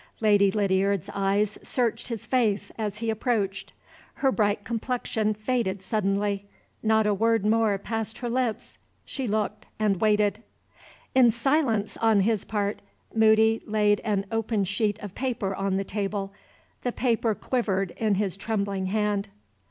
Lady Lydiard's eyes searched his face as he approached. Her bright complexion faded suddenly. Not a word more passed her lips. She looked, and waited. In silence on his part, Moody laid an open sheet of paper on the table. The paper quivered in his trembling hand.